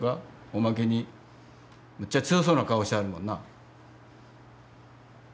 おまけにむっちゃ強そうな顔してはるもんな。